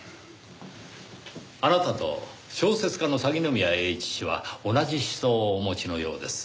あなたと小説家の鷺宮栄一氏は同じ思想をお持ちのようです。